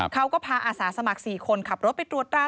เขาก็พาอาสาสมัคร๔คนขับรถไปตรวจรา